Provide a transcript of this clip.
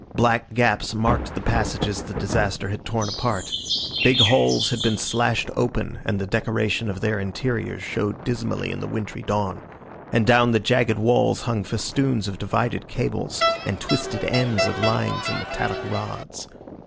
Black gaps marked the passages the disaster had torn apart; big halls had been slashed open and the decoration of their interiors showed dismally in the wintry dawn, and down the jagged walls hung festoons of divided cables and twisted ends of lines and metallic rods.